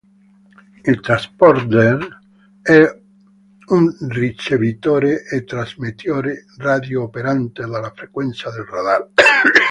Il transponder è un ricevitore e trasmettitore radio operante alle frequenze del radar.